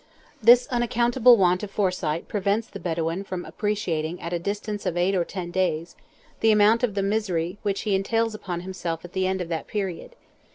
This unaccountable want of foresight prevents the Bedouin from appreciating at a distance of eight or ten days the amount of the misery which he entails upon himself at the end of that period.